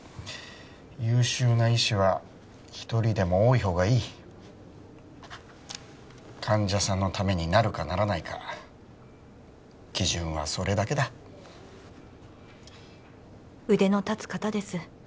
優秀な医師は一人でも多いほうがいい患者さんのためになるかならないか基準はそれだけだ腕の立つ方です